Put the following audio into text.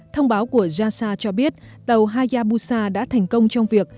thông báo của jasa cho biết tàu hayabusa đã thành công trong việc